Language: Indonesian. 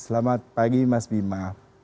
selamat pagi mas bima